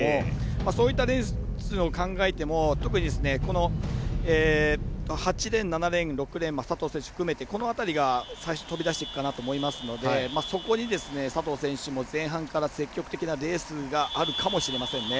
そういったレースを考えても特に８レーン、７レーン６レーン、佐藤選手含めて最初、飛び出すかなと思うのでそこに佐藤選手も前半から積極的なレースがあるかもしれませんね。